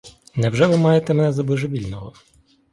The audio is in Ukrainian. Невже ви маєте мене за божевільного.